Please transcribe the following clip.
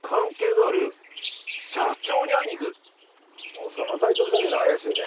もうそのタイトルだけで怪しいね。